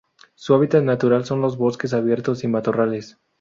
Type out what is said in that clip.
Su hábitat natural son los bosques abiertos y matorrales.